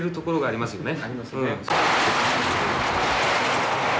ありますね。